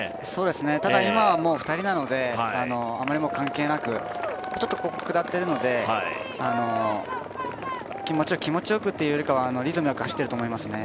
ただ今、２人なのであまりもう関係なくここ下っているので、気持ちよくというよりはリズムよく走ってると思いますね。